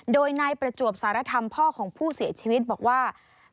โดยนายประจวบสารธรรมพ่อของผู้เสียชีวิตบอกว่า